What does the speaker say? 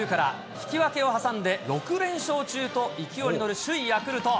引き分けを挟んで６連勝中と勢いに乗る首位ヤクルト。